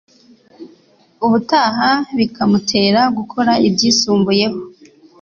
Ubutaha bikamutera gukora ibyisumbuyeho.